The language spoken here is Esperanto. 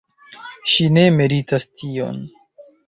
Ŝi ne meritas tion.